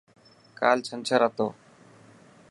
ڪال چنڇر هتو.